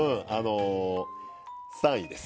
３位です。